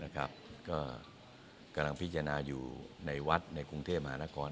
ก็กำลังพิจารณาอยู่ในวัดในกรุงเทพมหานคร